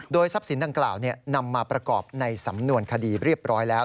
ทรัพย์สินดังกล่าวนำมาประกอบในสำนวนคดีเรียบร้อยแล้ว